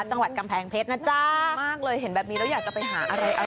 จังหวัดกำแพงเพชรนะจ๊ะ